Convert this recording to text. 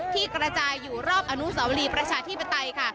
ที่กระจายอยู่รอบอนุสาวรีประชาธิปไตยค่ะ